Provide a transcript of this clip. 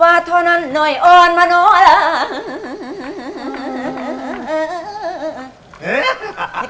ว่าเธอนั้นหน่อยอ่อนมาน้อง